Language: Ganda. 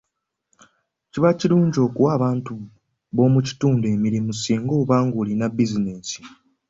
Kiba kirungi okuwa abantu b'omu kitundu emirimu singa oba ng'olina bizinensi.